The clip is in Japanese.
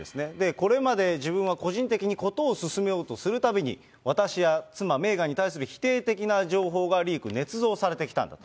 これまで、自分は個人的に事を進めようとするたびに、私や妻、メーガンに対する否定的な情報がリーク、ねつ造されてきたんだと。